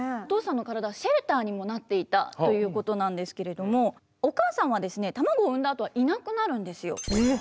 お父さんの体はシェルターにもなっていたということなんですけれどもお母さんはですね卵を産んだあとはいなくなるんですよ。